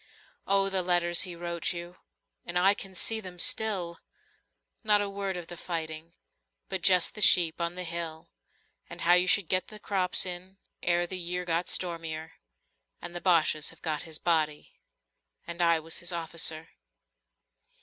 Oh, the letters he wrote you, And I can see them still. Not a word of the fighting But just the sheep on the hill And how you should get the crops in Ere the year got stormier, 40 And the Bosches have got his body. And I was his officer.